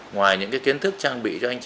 ngoài những kiến thức trang bị cho nhân viên